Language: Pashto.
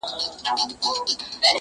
نه جوړ کړی کفن کښ پر چا ماتم وو؛